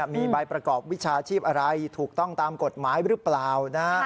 มีใบประกอบวิชาชีพอะไรถูกต้องตามกฎหมายหรือเปล่านะ